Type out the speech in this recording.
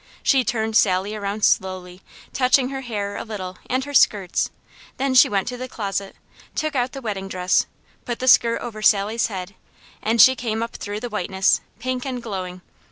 She turned Sally around slowly, touching her hair a little and her skirts; then she went to the closet, took out the wedding dress, put the skirt over Sally's head, and she came up through the whiteness, pink and glowing.